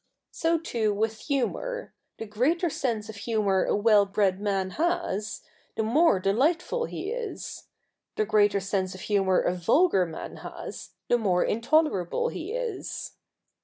So too with humour — the greater sense of humour a well bred man CH. ii] THE NEW REPUBLIC 149 has, the more delightful he is ; the greater sense of humour a vulgar man has, the more intolerable he is.'